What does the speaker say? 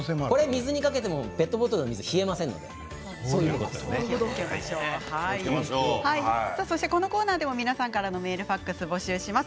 水にかけてもペットボトルは冷えませんので皆さんからのメールファックスを募集します。